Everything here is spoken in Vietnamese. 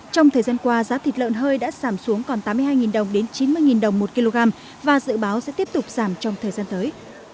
trong thời gian qua giá thịt lợn hơi đã giảm xuống còn tám mươi hai đồng đến chín mươi đồng một kg và dự báo sẽ tiếp tục giảm trong thời gian tới